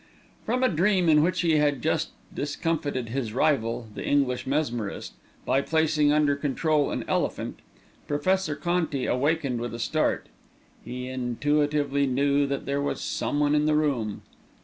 From a dream in which he had just discomfited his rival, "the English Mesmerist," by placing under control an elephant, Professor Conti awakened with a start. He intuitively knew that there was someone in the room.